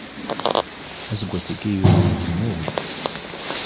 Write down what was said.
Aseggas-agi yuraw uzemmur.